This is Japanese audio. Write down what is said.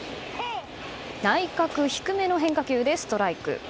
内角低めの変化球でストライク。